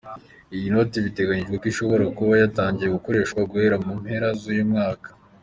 Iyi noti biteganijwe ko ishobora kuba yatangiye gukoreshwa guhera mu mpera z’uyu mwaka.